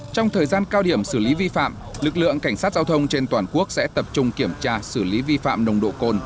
trong thời gian cao điểm xử lý vi phạm lực lượng cảnh sát giao thông trên toàn quốc sẽ tập trung kiểm tra xử lý vi phạm nồng độ cồn